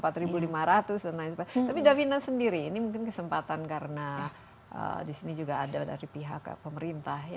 tapi davina sendiri ini mungkin kesempatan karena disini juga ada dari pihak pemerintah